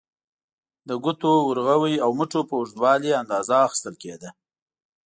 د ګوتو، ورغوي او مټو په اوږدوالي یې اندازه اخیستل کېده.